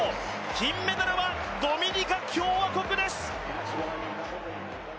金メダルはドミニカ共和国です。